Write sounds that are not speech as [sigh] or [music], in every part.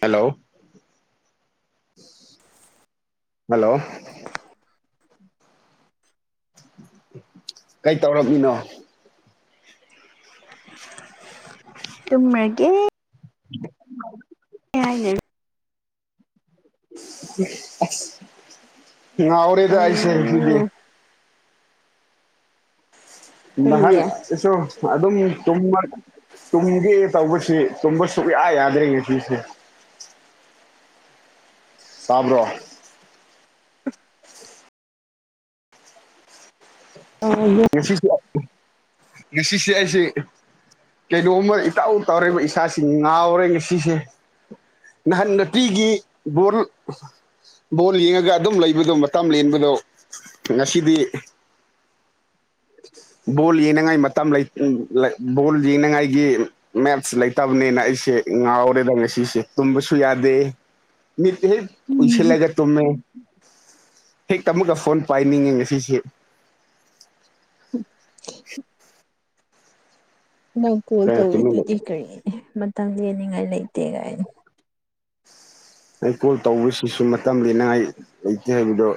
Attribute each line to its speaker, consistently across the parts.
Speaker 1: hello hello
Speaker 2: [unintelligible]
Speaker 1: ꯀꯩ ꯇꯧꯔꯝꯃꯤꯅꯣ
Speaker 2: ꯇꯨꯝꯔꯒꯦ
Speaker 1: [unintelligible]
Speaker 2: ꯍꯥꯏꯅ
Speaker 1: ꯉꯥꯎꯔꯦꯗ ꯑꯩꯁꯦ ꯉꯁꯤꯗꯤ
Speaker 2: ꯇꯧꯔꯤꯅꯣ ꯀꯔꯤꯒꯤ
Speaker 1: ꯅꯍꯥꯟꯁꯨ ꯑꯗꯨꯝ ꯇꯨꯝꯃ ꯇꯨꯝꯒꯦ ꯇꯧꯕꯁꯤ ꯇꯨꯝꯕ ꯁꯨꯛꯌꯥ ꯌꯥꯗ꯭ꯔꯦ ꯉꯁꯤꯁꯦ ꯇꯥꯕ꯭ꯔꯣ
Speaker 2: ꯑ
Speaker 1: [unintelligible] ꯉꯁꯤ ꯁꯤ ꯑꯩꯁꯤ ꯀꯩꯅꯣꯝꯃ ꯏꯇꯥꯎ ꯇꯥꯎꯔꯕ ꯏꯁꯥꯁꯤ ꯉꯥꯎꯔꯦ ꯉꯁꯤꯁꯦ ꯅꯍꯥꯟ ꯅꯇꯤꯒꯤ [unintelligible] ꯕꯣꯜ ꯌꯦꯡꯉꯒ ꯑꯗꯨꯝ ꯂꯩꯕꯗꯣ ꯃꯇꯝ ꯂꯦꯟꯕꯗꯣ ꯉꯁꯤꯗꯤ ꯕꯣꯜ ꯌꯦꯡꯅꯉꯥꯏ ꯃꯇꯝ ꯂꯩ ꯕꯣꯜ ꯌꯦꯡꯅꯉꯥꯏꯒꯤ ꯃꯦꯠꯁ ꯂꯩꯇꯕꯅꯤꯅ ꯑꯩꯁꯦ ꯉꯥꯎꯔꯦꯗ ꯉꯁꯤꯁꯦ ꯇꯨꯝꯕꯁꯨ ꯌꯥꯗꯦ ꯃꯤꯠꯇꯦ
Speaker 2: ꯎꯝ
Speaker 1: ꯄꯁꯤꯂꯒ ꯇꯨꯃꯦ ꯍꯦꯛꯇꯃꯨꯜꯂ ꯐꯣꯟ ꯄꯥꯏꯅꯤꯡꯉꯦ ꯉꯁꯤꯁꯤꯦ
Speaker 2: ꯅꯪ ꯀꯣꯜ
Speaker 1: ꯀꯩꯅꯣ ꯇꯨꯃꯤꯟ ꯂꯩ
Speaker 2: ꯇꯧꯋꯗꯨꯗꯤ ꯀꯔꯤ ꯃꯇꯝꯥꯡ ꯂꯦꯟꯅꯤꯡꯉꯥꯏ ꯂꯩꯇꯦ ꯀꯥꯏꯅ
Speaker 1: ꯑꯩ ꯀꯣꯜ ꯇꯧꯕꯁꯤꯁꯨ ꯃꯇꯝ ꯂꯩꯅꯉꯥꯏ ꯂꯩꯇꯦ ꯍꯥꯏꯕꯗꯣ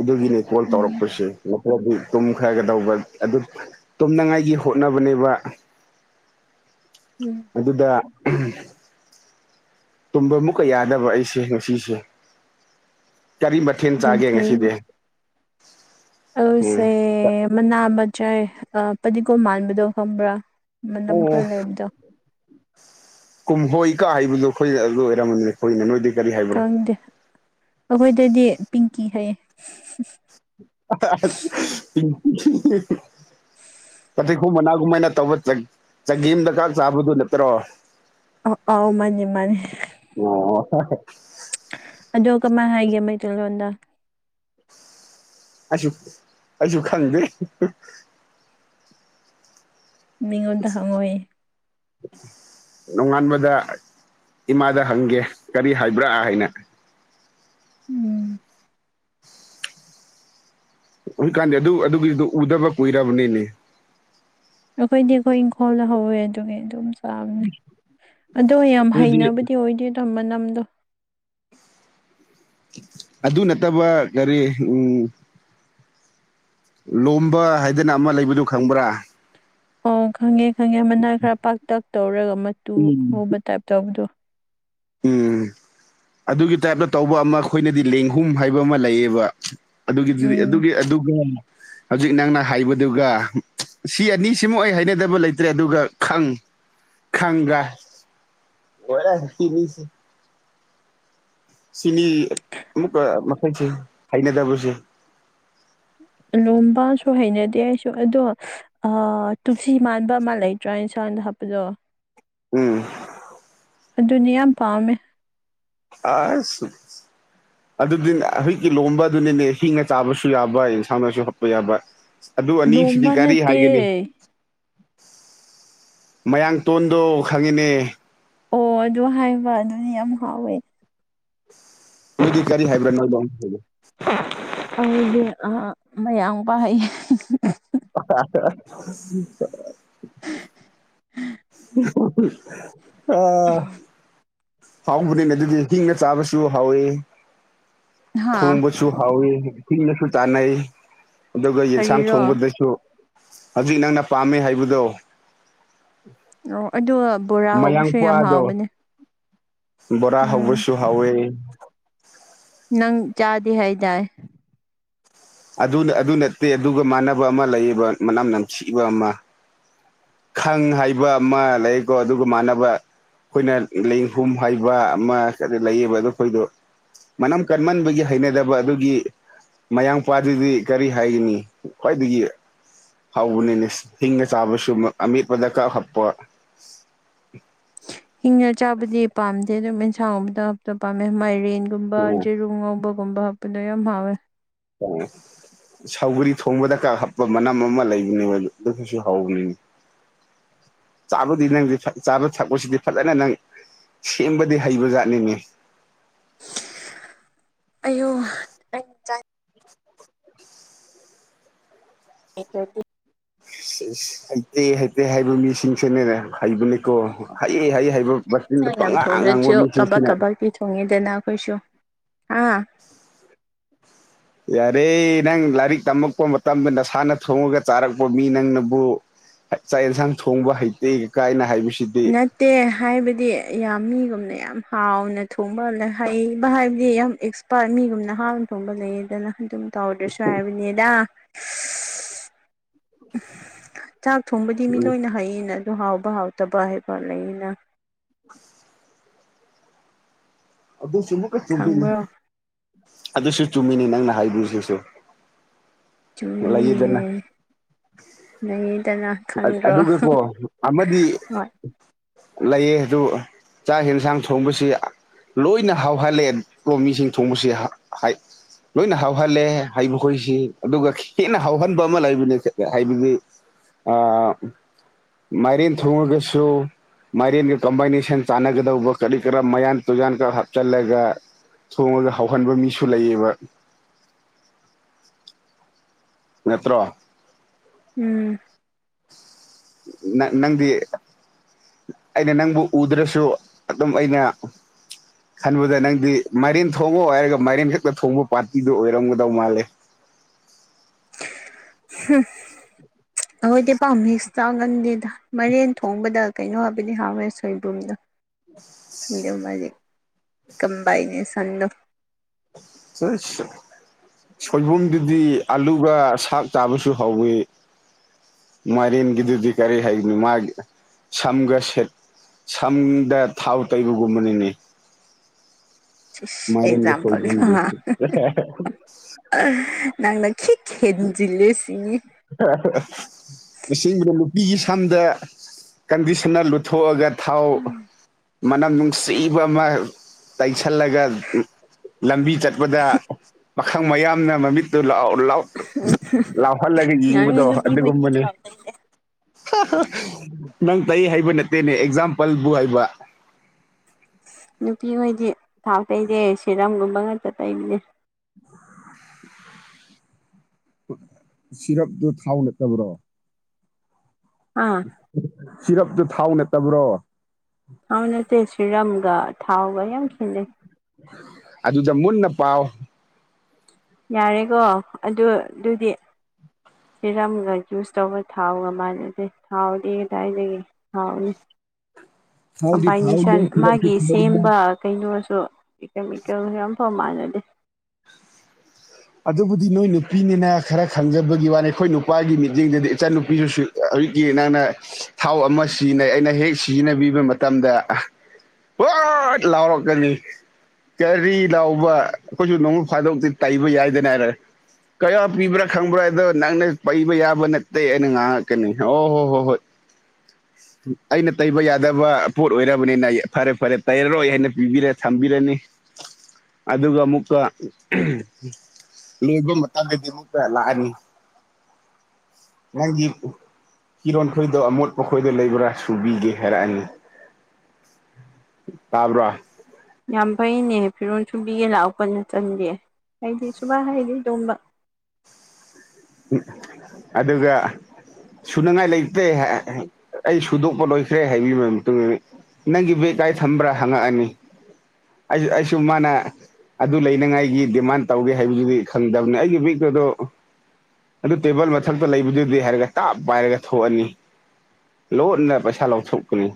Speaker 1: ꯑꯗꯨꯒꯤꯅꯦ ꯀꯣꯜ
Speaker 2: ꯎꯝ
Speaker 1: ꯇꯧꯔꯛꯄꯁꯦ ꯍꯥꯏꯗꯤ ꯇꯨꯝꯈ꯭ꯔꯒꯗꯧꯕ ꯑꯗꯨ ꯇꯨꯝꯅꯉꯥꯏꯒꯤ ꯍꯣꯠꯅꯕꯅꯦꯕ
Speaker 2: ꯎꯝ
Speaker 1: ꯑꯗꯨꯗ ꯇꯨꯝꯕ ꯑꯃꯨꯛꯀ ꯌꯥꯗꯕ ꯑꯩꯁꯦ ꯉꯁꯤꯁꯦ ꯀꯔꯤ ꯃꯊꯦꯜ
Speaker 2: ꯌꯥꯝ
Speaker 1: ꯆꯥꯒꯦ
Speaker 2: ꯐꯩ
Speaker 1: ꯉꯁꯤꯗꯤ ꯎꯝ
Speaker 2: ꯑꯗꯨꯁꯦ ꯃꯅꯥ ꯃꯆꯥꯏ ꯐꯗꯤꯒꯣꯝ ꯃꯥꯟꯕꯗꯣ ꯈꯪꯕ꯭ꯔꯥ ꯃꯅꯝ
Speaker 1: ꯑꯣ
Speaker 2: ꯈꯔ ꯂꯩꯕꯗꯣ
Speaker 1: ꯀꯨꯝꯍꯣꯏ ꯀꯥ ꯍꯥꯏꯕꯗꯣ ꯑꯩꯈꯣꯏꯗ ꯑꯗꯨ ꯑꯣꯏꯔꯝꯒꯅꯤ ꯍꯣꯏ ꯅꯣꯏꯗꯤ ꯀꯔꯤ ꯍꯥꯏ
Speaker 2: ꯈꯪꯗꯦ ꯑꯈꯣꯏꯗꯗꯤ ꯄꯤꯡꯀꯤ ꯍꯥꯏꯌꯦ
Speaker 1: [unintelligible] [unintelligible] ꯃꯅꯥꯒꯨꯝꯃꯥꯏꯅ ꯇꯧꯕ ꯆꯒꯦꯝ ꯅꯒ ꯆꯥꯕꯗꯨ ꯅꯠꯇ꯭ꯔꯣ
Speaker 2: ꯑ ꯑꯥꯎ ꯃꯥꯅꯦ ꯃꯥꯅꯦ
Speaker 1: [unintelligible]
Speaker 2: ꯑꯗꯣ ꯀꯃ ꯍꯥꯏꯒꯦ ꯃꯩꯇꯩ ꯂꯣꯟꯗ
Speaker 1: ꯑꯁꯨ ꯑꯩꯁꯨ ꯈꯪꯗꯦ
Speaker 2: ꯃꯤꯉꯣꯟꯗ ꯍꯪꯉꯣꯌꯦ
Speaker 1: [unintelligible] ꯅꯣꯡꯉꯥꯟꯕꯗ ꯏꯃꯥꯗ ꯍꯪꯒꯦ ꯀꯔꯤ ꯍꯥꯏꯕ꯭ꯔꯥ ꯍꯥꯏꯅ
Speaker 2: ꯎꯝ
Speaker 1: ꯍꯧꯖꯤꯛꯀꯥꯟꯗꯤ ꯑꯗꯨ ꯑꯗꯨꯒꯤꯗꯨ ꯎꯗꯕ ꯀꯨꯏꯔꯕꯅꯤꯅꯦ
Speaker 2: ꯑꯩꯈꯣꯏꯗꯤ ꯑꯩꯈꯣꯏ ꯏꯪꯈꯣꯜꯗ ꯍꯧꯋꯦ ꯑꯗꯨꯒꯤ ꯑꯗꯨꯝ ꯄꯥꯝꯃꯦ ꯑꯗꯣ ꯌꯥꯝ
Speaker 1: ꯑꯗꯨꯗꯤ
Speaker 2: ꯍꯩꯅꯕꯗꯤ ꯑꯣꯏꯗꯦꯗꯥ ꯃꯅꯝꯗꯣ
Speaker 1: ꯑꯗꯨ ꯅꯠꯇꯕ ꯀꯔꯤ ꯎꯝ ꯂꯣꯝꯕ ꯍꯥꯏꯗꯅ ꯑꯃ ꯂꯩꯕꯗꯨ ꯈꯪꯕ꯭ꯔꯥ
Speaker 2: ꯑꯣ ꯈꯪꯉꯦ ꯈꯪꯉꯦ ꯃꯅꯥꯏ ꯈꯔ ꯄꯥꯛꯇꯛ ꯇꯧꯔꯒ ꯃꯇꯨ
Speaker 1: ꯎꯝ
Speaker 2: ꯍꯨꯕ ꯇꯥꯏꯞ ꯇꯧꯕꯗꯣ
Speaker 1: ꯎꯝ ꯑꯗꯨꯒꯤ ꯇꯥꯏꯞꯇ ꯇꯧꯕ ꯑꯃ ꯑꯩꯈꯣꯏꯅꯗꯤ ꯂꯦꯡꯍꯨꯝ ꯍꯥꯏꯕ ꯑꯃ ꯂꯩꯌꯦꯕ ꯑꯗꯨꯒꯤꯗꯨꯗꯤ
Speaker 2: ꯎꯝ
Speaker 1: ꯑꯗꯨꯒꯤ ꯑꯗꯨꯒ ꯍꯧꯖꯤꯛ ꯅꯪꯅ ꯍꯥꯏꯕꯗꯨꯒ ꯁꯤ ꯑꯅꯤꯁꯤꯃ ꯑꯩ ꯍꯥꯏꯅꯗꯕ ꯂꯩꯇ꯭ꯔꯦ ꯑꯗꯨꯒ ꯈꯪ ꯈꯪꯒ [unintelligible] ꯁꯤꯅꯤ ꯑꯃꯨꯛꯀ ꯃꯈꯩꯁꯦ ꯍꯥꯏꯅꯗꯕꯁꯦ
Speaker 2: ꯂꯣꯝꯕꯁꯨ ꯍꯩꯅꯗꯦ ꯑꯩꯁꯨ ꯑꯗꯣ ꯑ ꯇꯨꯁꯤ ꯃꯥꯟꯕ ꯑꯃ ꯂꯩꯇ꯭ꯔꯥ ꯏꯟꯁꯥꯡꯗ ꯍꯥꯞꯄꯗꯣ
Speaker 1: ꯎꯝ
Speaker 2: ꯑꯗꯨꯅꯤ ꯌꯥꯝ ꯄꯥꯝꯃꯦ
Speaker 1: ꯑꯁ ꯑꯗꯨꯗꯤꯅꯦ ꯍꯧꯖꯤꯛꯀꯤ ꯂꯣꯝꯕ ꯑꯗꯨꯅꯤꯅꯦ ꯍꯤꯡꯉ ꯆꯥꯕꯁꯨ ꯌꯥꯕ ꯑꯦꯟꯁꯥꯡꯅꯁꯨ ꯍꯣꯠꯄ ꯌꯥꯕ ꯑꯗꯨ ꯑꯅꯤꯁꯤꯗꯤ
Speaker 2: ꯂꯣꯝꯕ
Speaker 1: ꯀꯔꯤ
Speaker 2: ꯅꯠꯇꯦ
Speaker 1: ꯍꯥꯏꯒꯅꯤ ꯃꯌꯥꯡ ꯇꯣꯟꯗꯣ ꯈꯪꯉꯤꯅꯦ
Speaker 2: ꯑꯣ ꯑꯗꯨ ꯍꯥꯏꯕ ꯑꯗꯨꯅꯤ ꯌꯥꯝ ꯍꯥꯎꯋꯦ
Speaker 1: ꯅꯣꯏꯗꯤ ꯀꯔꯤ ꯍꯥꯏꯕ꯭ꯔꯥ [unintelligible]
Speaker 2: [unintelligible] ꯑꯩꯗꯤ ꯃꯌꯥꯝ ꯄ ꯍꯩ [inaudible]
Speaker 1: [unintelligible]
Speaker 2: ꯎꯝ
Speaker 1: ꯑꯥ ꯍꯥꯎꯕꯅꯤꯅꯦ ꯑꯗꯨꯗꯤ ꯍꯤꯡꯒ ꯆꯥꯕꯁꯨ ꯍꯥꯎꯏꯤ
Speaker 2: ꯍꯥ
Speaker 1: ꯊꯣꯡꯕꯁꯨ ꯍꯥꯎꯋꯤ ꯏꯁꯤꯡꯒꯁꯨ ꯆꯥꯟꯅꯩ ꯑꯗꯨꯒ ꯌꯦꯟꯁꯥꯡ
Speaker 2: ꯀꯔꯤꯔꯣ
Speaker 1: ꯊꯣꯡꯕꯗꯁꯨ ꯍꯧꯖꯤꯛ ꯅꯪꯅ ꯄꯥꯝꯃꯦ ꯍꯥꯏꯕꯗꯣ [unintelligible]
Speaker 2: ꯑꯣ ꯑꯗꯣ ꯕꯣꯔꯥ ꯍꯧꯕꯁꯨ ꯌꯥꯝ ꯍꯥꯎꯕꯅꯦ
Speaker 1: ꯕꯣꯔ
Speaker 2: ꯎꯝ
Speaker 1: ꯍꯧꯕꯁꯨ ꯍꯥꯎꯋꯦ
Speaker 2: ꯅꯪ ꯆꯥꯗꯦ ꯍꯥꯏꯗꯥꯏ
Speaker 1: ꯑꯗꯨ ꯑꯗꯨ ꯅꯠꯇꯦ ꯑꯗꯨꯒ ꯃꯥꯟꯅꯕ ꯑꯃ ꯂꯩꯌꯦꯕ ꯃꯅꯝ ꯅꯝꯁꯤꯕ ꯑꯃ ꯈꯪ ꯍꯥꯏꯕ ꯑꯃ ꯂꯩꯀꯣ ꯑꯗꯨꯒ ꯃꯥꯟꯅꯕ ꯑꯩꯈꯣꯏꯅ ꯂꯦꯡꯍꯨꯝ ꯍꯥꯏꯩꯕ ꯑꯃ ꯂꯩꯌꯦꯕ ꯑꯗꯨꯣ ꯑꯩꯈꯣꯏꯗꯣ ꯃꯅꯝ ꯀꯟꯃꯟꯕꯒꯤ ꯍꯩꯅꯗꯕ ꯑꯗꯨꯒꯤ ꯃꯌꯥꯡ ꯃꯄꯥꯥꯗꯨꯗꯤ ꯀꯔꯤ ꯍꯥꯏꯒꯅꯤ ꯈ꯭ꯋꯥꯏꯗꯒꯤ ꯍꯧꯕꯅꯤꯅꯦ ꯍꯤꯡꯒ ꯆꯥꯕꯁꯨ ꯑꯃꯠꯄꯗ ꯀꯛ ꯍꯥꯞꯄ
Speaker 2: ꯍꯤꯡꯅ ꯆꯥꯕꯗꯤ ꯄꯥꯝꯗꯦ ꯑꯗꯨꯝ ꯑꯦꯟꯁꯥꯡꯒꯝꯗ ꯍꯥꯇ ꯄꯥꯝꯃꯦ ꯃꯥꯏꯔꯦꯟ ꯑꯗꯨꯒꯨꯝꯕ ꯌꯦꯖꯦꯔꯨ ꯉꯧꯕꯒꯨꯝꯕ ꯍꯥꯞꯄꯤꯗꯣ ꯌꯥꯝ ꯍꯥꯎꯋꯦ
Speaker 1: ꯎꯝ ꯁꯧꯒꯔꯤ ꯊꯣꯡꯕꯗ ꯀꯥ ꯍꯞꯄ ꯃꯅꯝ ꯑꯃ ꯂꯩꯕꯅꯦꯕ ꯑꯗꯨꯒꯤꯁꯨ ꯍꯧꯕꯅꯤꯅꯦ ꯆꯥꯕꯗꯤ ꯅꯪꯗꯤ ꯆꯥꯕ ꯊꯛꯄꯁꯤꯗꯤ ꯐꯖꯅ ꯅꯪ ꯁꯦꯝꯕꯗꯤ ꯍꯩꯕ ꯖꯥꯠꯅꯤꯅꯦ
Speaker 2: ꯑꯌꯣ [unintelligible] [unintelligible]
Speaker 1: ꯍꯩꯇꯦ ꯍꯩꯇꯦ ꯍꯥꯏꯕ ꯃꯤꯁꯤꯡꯁꯤꯅꯦꯅꯦ ꯍꯩꯕꯅꯤꯀꯣ ꯍꯩ ꯍꯩ ꯍꯩꯕ ꯕꯁꯇꯤꯟꯗ ꯄꯉꯥꯡ ꯉꯥꯡꯕ ꯃꯤꯁꯤꯡꯁꯤꯅꯦ
Speaker 2: ꯐꯣꯡꯉꯤꯗꯅ ꯑꯩꯈꯣꯏꯁꯨ ꯑꯥ
Speaker 1: ꯌꯥꯔꯦ ꯅꯪ ꯂꯥꯏꯔꯤꯛ ꯇꯝꯃꯛꯄ ꯃꯇꯝꯗ ꯅꯁꯥꯅ ꯊꯣꯡꯉꯒ ꯆꯥꯔꯛꯄ ꯃꯤ ꯅꯪꯅꯕꯨ ꯆꯥꯛ ꯌꯦꯟꯁꯥꯡ ꯊꯣꯡꯕ ꯍꯩꯇꯦꯒ ꯀꯥꯏꯅ ꯍꯥꯏꯕꯁꯤꯗꯤ
Speaker 2: [unintelligible] ꯇꯦ ꯍꯥꯏꯕꯗꯤ ꯌꯥꯝ ꯃꯤꯒꯨꯝꯅ ꯌꯥꯝ ꯍꯥꯎꯅ ꯊꯣꯡꯕ ꯍꯩꯕ ꯍꯥꯏꯕꯗꯤ ꯌꯥꯝ ꯃꯤꯒꯨꯝꯅ ꯍꯥꯎꯅ ꯊꯣꯡꯕ ꯂꯩꯌꯦꯗꯅ ꯑꯗꯨꯝ ꯇꯧꯗ꯭ꯔꯁꯨ ꯍꯥꯏꯕꯅꯦꯗ ꯆꯥꯛ ꯊꯣꯡꯕꯗꯤ ꯃꯤ
Speaker 1: ꯎꯝ
Speaker 2: ꯂꯣꯏꯅ ꯍꯩꯌꯦꯅ ꯑꯗꯨ ꯍꯥꯎꯕ ꯍꯥꯎꯇꯕ ꯍꯥꯏꯕ ꯂꯩꯌꯦꯅ
Speaker 1: [inaudible] ꯑꯗꯨꯁꯨ ꯑꯃꯨꯛꯀ ꯆꯨꯝꯃꯤꯅꯤ
Speaker 2: ꯈꯪꯕ꯭ꯔꯣ
Speaker 1: ꯑꯗꯨꯁꯨ ꯆꯨꯝꯃꯤꯅꯤ ꯅꯪꯅ ꯍꯥꯏꯕꯤꯔꯤꯁꯤꯁꯨ
Speaker 2: ꯆꯨꯝꯕꯅꯤꯅꯦ
Speaker 1: ꯂꯩꯌꯦꯗꯅ
Speaker 2: ꯂꯩꯗꯅ
Speaker 1: ꯑꯗꯨꯒꯀꯣ ꯑꯃꯗꯤ
Speaker 2: ꯍꯣꯏ
Speaker 1: ꯂꯩꯌꯦ ꯑꯗꯨ ꯆꯥꯛ ꯌꯦꯟꯁꯥꯡ ꯊꯣꯡꯕꯁꯤ ꯂꯣꯏꯅ ꯍꯥꯎꯍꯜꯂꯦ ꯂꯣꯃꯤꯁꯤꯡ ꯊꯣꯡꯕꯕꯁꯤ ꯍꯥꯏ ꯂꯣꯏꯅ ꯍꯥꯎꯍꯜꯂꯦ ꯍꯥꯏꯕ ꯈꯣꯏꯁꯤ ꯑꯗꯨꯒ ꯍꯦꯟꯅ ꯍꯥꯎꯍꯟꯕ ꯑꯃ ꯂꯩꯕꯅꯦ ꯍꯥꯏꯕꯗꯤ ꯑ ꯃꯔꯤꯟ ꯊꯣꯡꯉꯒꯁꯨ ꯃꯥꯏꯔꯤꯦꯟꯒꯤ ꯀꯣꯝꯕꯥꯏꯅꯦꯁꯟ ꯆꯥꯟꯅꯒꯗꯧꯕ ꯀꯔꯤ ꯀꯔꯥ ꯃꯌꯥꯟ ꯇꯨꯌꯥꯟꯒ ꯍꯥꯞꯆꯤꯜꯂꯒ ꯊꯣꯡꯉꯒ ꯍꯥꯎꯍꯟꯕ ꯃꯤꯁꯨ ꯂꯩꯌꯦꯕ ꯅꯇ꯭ꯔꯣ
Speaker 2: ꯎꯝ
Speaker 1: ꯅ ꯅꯪꯗꯤ ꯑꯩꯅ ꯅꯪꯕꯨ ꯎꯗ꯭ꯔꯁꯨ ꯑꯗꯨꯝ ꯑꯩꯅ ꯈꯟꯕꯗ ꯅꯪꯗꯤ ꯃꯥꯏꯔꯦꯟ ꯊꯣꯡꯉꯣ ꯍꯥꯏꯔꯒ ꯃꯥꯏꯔꯦꯟ ꯈꯛꯇ ꯊꯣꯡꯕ ꯄꯥꯔꯇꯤꯗꯨ ꯑꯣꯏꯔꯝꯒꯗꯧ ꯃꯥꯜꯂꯦ
Speaker 2: ꯍ ꯑꯩꯈꯣꯏꯗꯤ ꯄꯥꯝꯃꯤ ꯆꯥꯡ ꯉꯟꯗꯦꯗ ꯃꯔꯦꯟ ꯊꯣꯡꯕꯗ ꯀꯩꯅꯣ ꯍꯥꯏꯕꯗꯤ ꯍꯥꯎꯋꯦ ꯁꯣꯏꯕꯨꯝꯗꯣ ꯃꯥ ꯀꯕꯥꯏꯅꯦꯁꯟꯗꯣ
Speaker 1: ꯆ ꯁꯣꯏꯕꯨꯝꯗꯨꯗꯤ ꯑꯂꯨꯒ ꯁꯥꯛ ꯆꯥꯕꯁꯨ ꯍꯧꯋꯤ ꯃꯦꯟꯒꯤꯗꯨꯗꯤ ꯀꯔꯤ ꯍꯥꯏꯒꯅꯣ ꯃꯥꯒꯤ ꯁꯝꯒ ꯁꯦꯠ ꯁꯝꯗ ꯊꯥꯎ ꯇꯩꯕꯒꯨꯝꯕꯅꯤꯅꯤ ꯃꯥꯏꯔꯦꯟꯒ
Speaker 2: ꯑꯦꯛꯖꯝꯄꯜ
Speaker 1: ꯁꯣꯏꯕꯨꯝꯗꯤ
Speaker 2: ꯅꯪꯅ ꯈꯤ ꯍꯦꯟꯖꯤꯜꯂꯦ ꯁꯤꯅꯤ
Speaker 1: ꯏꯁꯤꯡꯅ ꯅꯨꯄꯤꯒꯤ ꯁꯝꯗ ꯀꯟꯗꯤꯁꯟꯅ ꯂꯨꯊꯣꯛꯑꯒ ꯊꯥꯎ ꯃꯅꯝ ꯅꯨꯡꯁꯤꯕ ꯑꯃ ꯇꯩꯁꯜꯂꯒ ꯂꯝꯕꯤ ꯆꯠꯄꯗ ꯃꯈꯪ ꯃꯌꯥꯝꯅ ꯃꯃꯤꯠꯇꯨ ꯂꯥꯎꯍꯜꯂꯒ ꯃꯗꯣ
Speaker 2: ꯌꯥꯔꯣꯏ
Speaker 1: ꯑꯗꯨꯗꯤ
Speaker 2: ꯅꯨꯄꯤꯈꯣꯏꯗꯤ
Speaker 1: ꯀꯨꯝꯕꯅꯤ
Speaker 2: ꯊꯥꯎ ꯇꯩꯗꯦ
Speaker 1: ꯅꯪ ꯇ ꯍꯥꯏꯕ ꯅꯠꯇꯦꯅꯦ ꯑꯦꯛꯖꯥꯝꯄꯜꯕꯨ ꯍꯥꯏꯩꯕ
Speaker 2: ꯅꯨꯄꯤꯍꯣꯏꯗꯤ ꯊꯥꯎ ꯇꯩꯗꯦ ꯁꯦꯔꯝꯒꯨꯝꯕ ꯉꯥꯛꯇ ꯇꯩꯕꯅꯦ
Speaker 1: ꯁꯤꯔꯞꯇꯨ ꯊꯥꯎ ꯅꯠꯇꯕ꯭ꯔꯣ
Speaker 2: ꯑ
Speaker 1: ꯁꯤꯔꯞꯇꯨ ꯊꯥꯎ ꯅꯠꯇꯕ꯭ꯔꯣ
Speaker 2: ꯊꯥꯎ ꯅꯠꯇꯦ ꯁꯤꯔꯝꯒ ꯊꯥꯎꯒ ꯌꯥꯝ ꯈꯦꯠꯅꯩ
Speaker 1: ꯑꯗꯨꯗ ꯃꯨꯟꯅ ꯄꯥꯎ
Speaker 2: ꯌꯥꯔꯦꯀꯣ ꯑꯗꯨ ꯑꯗꯨꯗꯤ ꯁꯤꯔꯝꯒ ꯌꯨꯁ ꯇꯧꯕ ꯊꯥꯎꯒ ꯃꯥꯟꯅꯗꯦ ꯊꯥꯎꯗꯤ ꯀꯗꯥꯏꯗꯒꯤ ꯍꯥꯎꯅꯦ
Speaker 1: ꯊꯥꯎꯗꯤ ꯊꯥꯎꯅꯤ
Speaker 2: ꯀꯝꯕꯥꯏꯅꯦꯁꯟ
Speaker 1: ꯁꯤꯔꯞꯇꯤ
Speaker 2: ꯃꯥꯒꯤ
Speaker 1: ꯁꯤꯔꯞꯅꯤ
Speaker 2: ꯁꯦꯝꯕ ꯀꯩꯅꯣꯁꯨ ꯀꯦꯃꯤꯀꯦꯜꯁꯨ ꯌꯥꯝ ꯐꯕ ꯃꯥꯟꯅꯗꯦ
Speaker 1: ꯑꯗꯨꯕꯨꯗꯤ ꯅꯣꯏ ꯅꯨꯄꯤꯅꯤꯅ ꯈꯔ ꯈꯪꯖꯕꯒꯤ ꯋꯥꯅꯤ ꯑꯩꯈꯣꯏ ꯅꯨꯄꯥꯒꯤ ꯃꯤꯠꯌꯦꯡꯗꯗꯤ ꯏꯆꯟꯅꯨꯄꯤꯗꯨꯁꯨ ꯍꯧꯖꯤꯛꯀꯤ ꯅꯪꯅ ꯊꯥꯎ ꯑꯃ ꯁꯤꯖꯤꯟꯅꯩ ꯑꯩꯅ ꯍꯦꯛ ꯁꯤꯖꯤꯟꯅꯕꯤꯕ ꯃꯇꯝꯗ ꯍꯣꯏ ꯂꯥꯎꯔꯛꯀꯅꯤ ꯀꯔꯤ ꯂꯥꯎꯕ ꯑꯩꯈꯣꯏꯁꯨ ꯅꯣꯡ ꯐꯥꯗꯣꯛꯇꯤ ꯇꯩꯕ ꯌꯥꯏꯗꯅ ꯍꯥꯏꯔ ꯀꯌꯥ ꯄꯤꯕ꯭ꯔꯥ ꯈꯪꯕ꯭ꯔꯥ ꯑꯗꯣ ꯅꯪꯅ ꯄꯩꯕ ꯌꯥꯕ ꯅꯠꯇꯦ ꯑꯩꯅ ꯉꯥꯡꯉꯛꯀꯅꯤ ꯑꯣ ꯍꯣꯏ ꯍꯣꯏ ꯍꯣꯏ ꯑꯁ ꯑꯩꯅ ꯇꯩꯕ ꯌꯥꯗꯕ ꯄꯣꯠ ꯑꯣꯏꯔꯕꯅꯤꯅ ꯐꯔꯦ ꯐꯔꯦ ꯇꯩꯔꯔꯣꯏ ꯍꯥꯏꯅ ꯄꯤꯕꯤꯔꯦ ꯊꯝꯕꯤꯔꯅꯤ ꯑꯗꯨꯒ ꯑꯃꯨꯛꯀ ꯂꯣꯏꯕ ꯃꯇꯝꯗꯗꯤ ꯑꯃꯨꯛꯇ ꯂꯥꯛꯑꯅꯤ ꯅꯪꯒꯤ ꯀꯤꯔꯣꯟꯈꯩꯗꯣ ꯑꯃꯣꯠ ꯃꯈꯣꯏꯗ ꯂꯩꯕ꯭ꯔꯥ ꯁꯨꯕꯤꯒꯦ ꯍꯥꯏꯔꯛꯑꯅꯤ ꯇꯥꯕꯔ
Speaker 2: ꯌꯥꯝ ꯐꯩꯅꯦ ꯐꯤꯔꯣꯜ ꯁꯨꯕꯤꯒ ꯂꯥꯛꯑꯣꯄ ꯅꯆꯟꯗꯤ ꯍꯥꯏꯗꯤ ꯁꯨꯕꯥ ꯍꯥꯏꯗ ꯇꯣꯝꯕ
Speaker 1: ꯑꯗꯨꯒ ꯁꯨꯅꯤꯡꯉꯥꯏ ꯂꯩꯇꯦ ꯑꯩ ꯁꯨꯗꯣꯛꯄ ꯂꯣꯏꯈ꯭ꯔꯦ ꯍꯥꯏꯕꯤꯕ ꯃꯇꯨꯡ ꯅꯪꯒꯤ ꯕꯦꯒ ꯀꯥꯏ ꯊꯝꯕ꯭ꯔꯥ ꯍꯪꯉꯛꯑꯅꯤ ꯑꯩ ꯑꯩꯁꯨ ꯃꯥꯅ ꯑꯗꯨ ꯂꯩꯅꯉꯥꯏꯒꯤ ꯗꯤꯃꯥꯟ ꯇꯧꯒꯦ ꯍꯥꯏꯕꯗꯨꯗꯤ ꯈꯪꯗꯕꯅꯤ ꯑꯩꯒꯤ ꯕꯤꯛꯀꯗꯣ ꯑꯗꯨ ꯇꯦꯕꯜ ꯃꯊꯛꯇ ꯂꯩꯕꯗꯨꯗꯤ ꯍꯥꯏꯔꯒ ꯇꯥꯞ ꯄꯥꯏꯔꯒ ꯊꯣꯛꯑꯅꯤ ꯂꯣꯟꯅ ꯄꯩꯁꯥ ꯂꯧꯊꯣꯛꯀꯅꯤ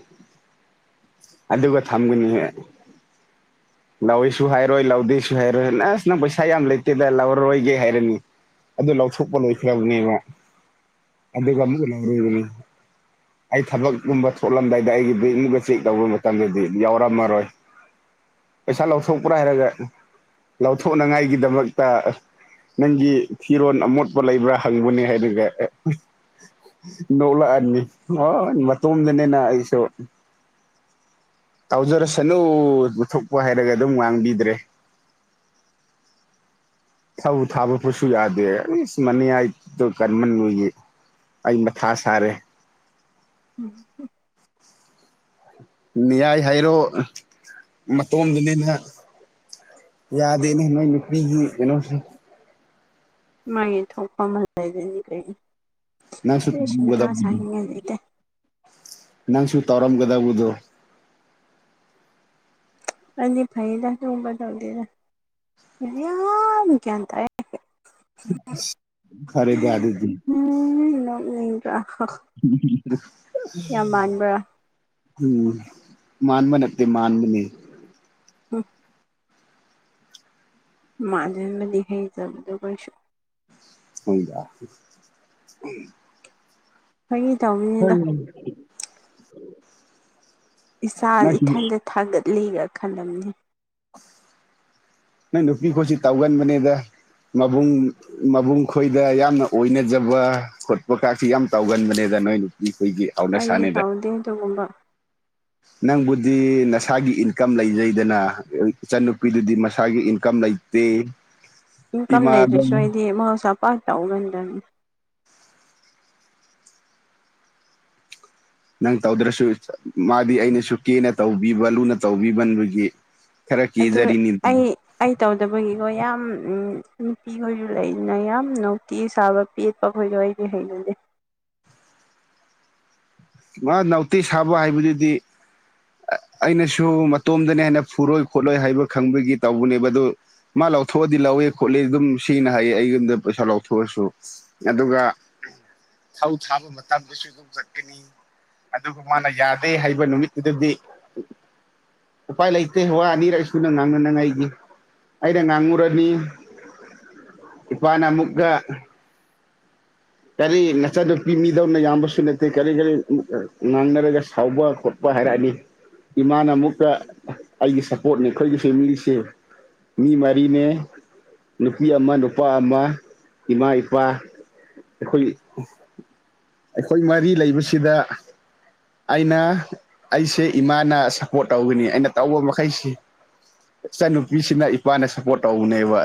Speaker 1: ꯑꯗꯨꯒ ꯊꯝꯒꯅꯤ ꯂꯧꯔꯣꯏꯁꯨ ꯍꯥꯏꯔꯣꯏ ꯂꯧꯗꯦꯁꯨ ꯍꯥꯏꯔꯣꯏ ꯅꯁ ꯅꯪ ꯄꯩꯁꯥ ꯌꯥꯝ ꯂꯩꯇꯦꯗ ꯂꯧꯔꯣꯏꯒꯦ ꯍꯥꯏꯔꯅꯤ ꯑꯗꯨ ꯂꯧꯊꯣꯛꯄ ꯂꯣꯏꯈ꯭ꯔꯕꯅꯦꯕ ꯑꯗꯨꯒ ꯑꯃꯨ ꯂꯧꯔꯤꯕꯅꯤ ꯑꯩ ꯊꯕꯛꯀꯨꯝꯕ ꯊꯣꯛꯂꯝꯗꯥꯏꯗ ꯑꯩꯒꯤ ꯕꯦꯡꯒꯨꯝꯕ ꯆꯦꯛ ꯇꯧꯕ ꯃꯇꯝꯗꯗꯤ ꯌꯥꯎꯔꯝꯃꯔꯣꯏ ꯄꯩꯁꯥ ꯂꯧꯊꯣꯛꯄ꯭ꯔꯥ ꯍꯥꯏꯔꯒ ꯂꯧꯊꯣꯛꯅꯉꯥꯏꯒꯤꯗꯃꯛꯇ ꯅꯪꯒꯤ ꯐꯤꯔꯣꯟ ꯑꯃꯣꯠ ꯂꯩꯕ꯭ꯔꯥ ꯍꯪꯕꯅꯦ ꯍꯥꯏꯗꯨꯒ ꯅꯣꯛꯂꯛꯑꯅꯤ ꯍꯣꯏ ꯃꯇꯣꯝꯗꯅꯤꯅ ꯑꯩꯁꯨ ꯇꯥꯎꯖꯔꯁꯅꯨ ꯂꯨꯊꯣꯛꯄ ꯍꯥꯏꯔꯒ ꯑꯗꯨꯝ ꯉꯥꯡꯕꯤꯗ꯭ꯔꯦ ꯊꯧ ꯊꯥꯕ ꯐꯠꯁꯨ ꯌꯥꯗꯦ ꯃꯅꯤ ꯍꯥꯏꯗꯣ ꯀꯟꯃꯟꯂꯨꯏ ꯑꯩ ꯃꯊꯥ ꯁꯥꯔꯦ
Speaker 2: ꯎꯝ
Speaker 1: ꯅꯤꯌꯥꯏ ꯍꯥꯏꯔꯣ ꯃꯇꯣꯝꯗꯅꯤꯅ ꯌꯥꯗꯦꯅꯦ ꯅꯣꯢ ꯅꯨꯄꯤꯒꯤ ꯀꯩꯅꯣꯁꯤ
Speaker 2: ꯃꯥꯒꯤ ꯊꯣꯛꯐꯝ ꯑꯃ ꯑꯗꯨꯗꯤ ꯀꯩꯅꯤ
Speaker 1: ꯅꯪꯁꯨ
Speaker 2: ꯏꯁꯤꯡ ꯊꯥ
Speaker 1: ꯇꯧꯒꯗꯕꯗꯨ
Speaker 2: ꯁꯥꯥꯅꯤꯡꯉꯥꯏ ꯂꯩꯇꯦ
Speaker 1: ꯅꯪꯁꯨ ꯇꯧꯔꯝꯒꯗꯕꯗꯣ
Speaker 2: ꯑꯩꯗꯤ ꯐꯩꯌꯦꯗ ꯑꯗꯨꯒꯨꯝꯕ ꯇꯧꯗꯦꯗ ꯌꯥꯝ ꯒ꯭ꯌꯥꯟ ꯇꯥꯏꯌꯦ
Speaker 1: ꯐꯔꯦꯗ ꯑꯗꯨꯗꯤ
Speaker 2: ꯎꯝ ꯅꯣꯛꯅꯤꯡꯗ꯭ꯔ
Speaker 1: ꯑꯁ ꯎꯝ ꯃꯥꯅꯕ ꯅꯠꯇ ꯃꯥꯥꯟꯕꯅꯤ
Speaker 2: ꯎꯝ ꯃꯥꯗꯗꯤ ꯍ ꯆꯗꯧꯕ
Speaker 1: ꯍꯗ
Speaker 2: ꯑꯩꯈꯣꯏꯒꯤ ꯇꯧꯅꯤꯗ
Speaker 1: ꯎꯝ
Speaker 2: ꯏꯆꯥ ꯏꯊꯟꯗ ꯊꯥꯒꯠꯂꯤꯒ ꯈꯜꯂꯝꯅꯤ
Speaker 1: ꯅꯪ ꯅꯨꯄꯤꯈꯠꯁꯤ ꯇꯧꯒꯟꯕꯅꯦꯗ ꯃꯕꯨꯡ ꯃꯕꯨꯡ ꯈꯣꯏꯗ ꯌꯥꯝꯅ ꯑꯣꯏꯅꯖꯕ ꯈꯣꯠꯄ ꯀꯥꯁꯤ ꯌꯥꯝ ꯇꯧꯒꯟꯕꯅꯦꯗ ꯅꯣꯏ ꯅꯨꯄꯤꯈꯣꯏꯒꯤ
Speaker 2: ꯑꯩꯒꯤ ꯇꯥꯎꯗꯦ ꯑꯗꯨꯒꯨꯝꯕ
Speaker 1: ꯅꯪꯕꯨꯗꯤ ꯅꯁꯥꯒꯤ ꯏꯟꯀꯝ ꯂꯩꯖꯩꯗꯅ ꯏꯆꯟꯅꯨꯄꯤꯗꯨꯗꯤ ꯃꯁꯥꯒꯤ ꯀꯝ ꯂꯩꯇꯦ
Speaker 2: ꯏꯟꯀꯝ
Speaker 1: ꯏꯃꯥꯗ
Speaker 2: ꯂꯩꯗ꯭ꯔꯁꯨ ꯑꯩꯗꯤ ꯃꯍꯧꯁꯥ ꯄꯥ ꯇꯎꯒꯟꯗꯅꯤ
Speaker 1: ꯅꯪ ꯇꯧꯗ꯭ꯔꯁꯨ ꯃꯥꯗꯤ ꯑꯩꯅꯁꯨ ꯀꯦꯅ ꯇꯧꯕꯤꯕ ꯂꯨꯅ ꯇꯧꯕꯤꯕꯕꯒꯤ
Speaker 2: ꯑꯗꯨ ꯑꯩ ꯑꯩ ꯇꯧꯗꯕꯒꯤꯀꯣ ꯌꯥꯝ ꯅꯨꯄꯤꯈꯣꯏꯁꯨ ꯂꯩꯗꯅ ꯌꯥꯝ ꯅꯨꯡꯇꯤ ꯁꯥꯕ ꯄꯦ ꯄꯈꯣꯏꯔꯏꯗꯤ ꯍꯩꯅꯦ
Speaker 1: ꯃꯥ ꯅꯥꯎꯇꯤ ꯁꯥꯕ ꯍꯥꯏꯕꯗꯨꯗꯤ ꯑꯩꯅꯁꯨ ꯃꯇꯣꯝꯗꯅ ꯍꯦꯟꯅ ꯐꯨꯔꯣꯏ ꯈꯣꯠꯂꯣꯏ ꯍꯥꯏꯕ ꯈꯪꯕꯒꯤ ꯇꯧꯕꯅꯦꯕ ꯑꯗꯨ ꯃꯥ ꯂꯧꯊꯣꯛꯑꯗꯤ ꯂꯧꯋꯦ ꯈꯣꯠꯂꯦ ꯑꯗꯨꯝ ꯁꯤꯦꯡꯅ ꯍꯥꯏꯌꯦ ꯑꯩ ꯌꯨꯝꯗ ꯄꯩꯁꯥ ꯂꯧꯊꯣꯛꯑꯁꯨ ꯑꯗꯨꯒ ꯁꯧ ꯊꯥꯕ ꯃꯇꯝꯗꯁꯨ ꯑꯗꯨꯝ ꯆꯠꯀꯅꯤ ꯑꯗꯨꯒ ꯃꯥꯅ ꯌꯥꯗꯦ ꯍꯥꯏꯕ ꯅꯨꯃꯤꯠꯇꯨꯗꯗꯤ ꯎꯄꯥꯏ ꯂꯩꯇꯦ ꯋꯥ ꯑꯅꯤꯔ ꯁꯨꯅ ꯉꯥꯡꯅꯅꯤꯡꯉꯥꯏꯒꯤ ꯑꯩꯅ ꯉꯥꯡꯉꯨꯔꯅꯤ ꯏꯄꯥꯅ ꯑꯃꯨꯛꯀ ꯀꯔꯤ ꯅꯆꯥ ꯅꯨꯄꯤ ꯃꯤꯗꯧꯅ ꯌꯥꯝꯕꯁꯨ ꯅꯠꯇꯦ ꯀꯔꯤ ꯀꯔꯤ ꯉꯥꯡꯅꯔꯒ ꯁꯥꯎꯕ ꯈꯣꯠꯄ ꯍꯥꯏꯔꯛꯑꯅꯤ ꯏꯃꯥꯅ ꯑꯃꯨꯛꯇ ꯑꯩꯒꯤ ꯁꯞꯄꯣꯔꯠꯅꯤ ꯑꯩꯈꯣꯏꯒꯤ ꯐꯦꯃꯤꯂꯤꯁꯦ ꯃꯤ ꯃꯔꯤꯅꯦ ꯅꯨꯄꯤ ꯑꯃ ꯅꯨꯄꯥ ꯑꯃ ꯏꯃꯥ ꯏꯄꯥ ꯑꯩꯈꯣꯏ ꯑꯩꯈꯣꯏ ꯃꯔꯤ ꯂꯩꯕꯁꯤꯗ ꯑꯩꯅ ꯑꯩꯁꯦ ꯏꯃꯥꯅ ꯁꯞꯄꯣꯔꯠ ꯇꯧꯒꯅꯤ ꯑꯩꯅ ꯇꯧꯕ ꯃꯈꯩꯁꯤ ꯏꯆ ꯅꯨꯨꯄꯤꯁꯤꯅ ꯏꯄꯥꯅ ꯁꯞꯄꯣꯔꯠ ꯇꯧꯕꯅꯦꯕ